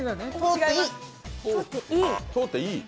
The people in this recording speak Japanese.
通っていい。